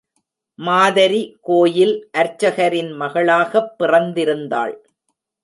மாதரி கோயில் அர்ச்சகரின் மகளாகப் பிறந்திருந்தாள்.